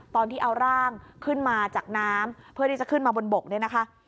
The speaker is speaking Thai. ตอนที่เอาร่างขึ้นมาจากน้ำเพื่อที่จะขึ้นมาบนบกเนี่ยนะคะ